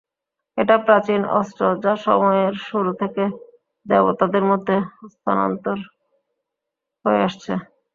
এটা প্রাচীন অস্ত্র যা সময়ের শুরু থেকে দেবতাদের মধ্যে হস্তান্তর হয়ে আসছে।